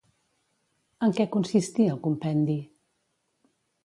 En què consistia el compendi?